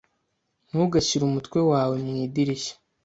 Ntugashyire umutwe wawe mu idirishya.